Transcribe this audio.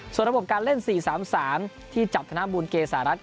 ส่วนระบบการเล่น๔๓๓ที่จับธนบุญเกษารัฐ